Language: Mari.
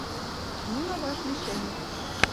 Нуно ваш лишемыт.